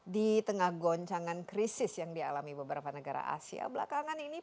di tengah goncangan krisis yang dialami beberapa negara asia belakangan ini